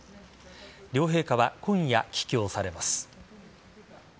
両陛下は今夜、帰京されます。